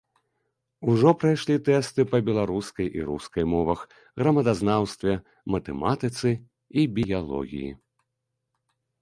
Ужо прайшлі тэсты па беларускай і рускай мовах, грамадазнаўстве, матэматыцы і біялогіі.